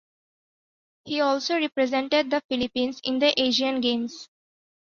He also represented the Philippines in the Asian Games.